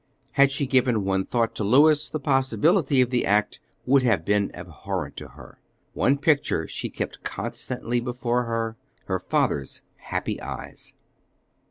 Had she given one thought to Louis, the possibility of the act would have been abhorrent to her. One picture she kept constantly before her, her father's happy eyes.